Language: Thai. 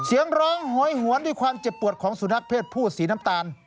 เสียงร้องโหยหวนด้วยความเจ็บปวดของสุนัขเพศผู้สีน้ำตาล